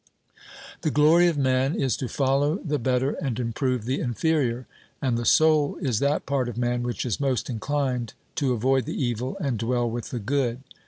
The glory of man is to follow the better and improve the inferior. And the soul is that part of man which is most inclined to avoid the evil and dwell with the good.